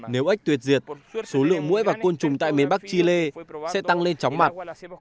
nếu ếch tuyệt diệt số lượng muối và côn trùng tại miền bắc chile sẽ tăng lên chóng bằng